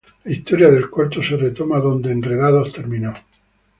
La historia del corto se retoma donde "Enredados" terminó.